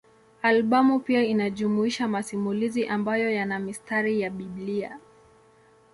Albamu pia inajumuisha masimulizi ambayo yana mistari ya Biblia.